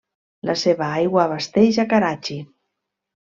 La seva aigua abasteix a Karachi.